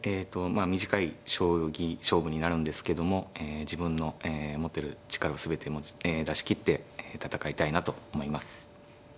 まあ短い将棋勝負になるんですけども自分の持てる力を全て出し切って戦いたいなと思います。